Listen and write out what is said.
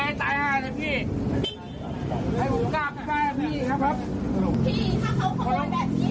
ไม่ได้เอาสาดูนี่ผมไม่ได้เอาอะไรสิหน่อยสายห้าสิพี่ทำไม